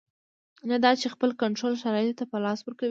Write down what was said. نه دا چې خپل کنټرول شرایطو ته په لاس ورکړي.